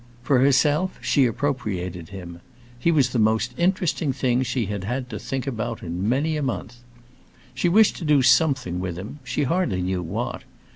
For herself, she appropriated him; he was the most interesting thing she had had to think about in many a month. She wished to do something with him—she hardly knew what.